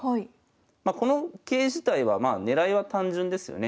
まこの桂自体は狙いは単純ですよね。